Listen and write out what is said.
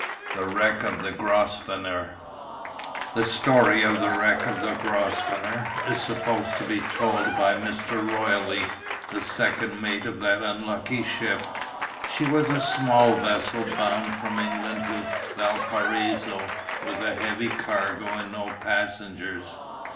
THE WRECK OF THE GROSVENOR The story of the wreck of the Grosvenor is supposed to be told by Mr. Royle, the second mate of that unlucky ship. She was a small vessel bound from England to Valparaiso with a heavy cargo and no passengers.